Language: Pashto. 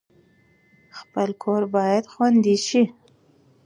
خپل کور باید خوندي شي